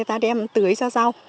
ta đem tưới cho rau